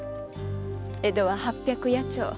江戸は八百八町。